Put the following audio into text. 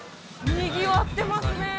にぎわってますね